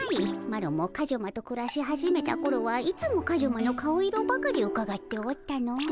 マロもカジュマとくらし始めたころはいつもカジュマの顔色ばかりうかがっておったのう。